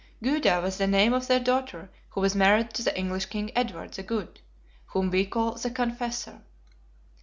Gyda was the name of their daughter, who was married to the English King Edward, the Good (whom we call the Confessor).